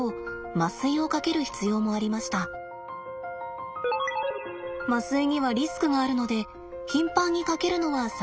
麻酔にはリスクがあるので頻繁にかけるのは避けたいところです。